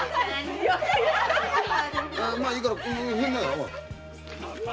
まあいいから入んなよ。